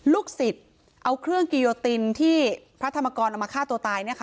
ลูกศิษย์เอาเครื่องกิโยตินที่พระธรรมกรเอามาฆ่าตัวตาย